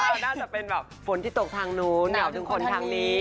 ก็น่าจะเป็นแบบฝนที่ตกทางนู้นเหงาถึงคนทางนี้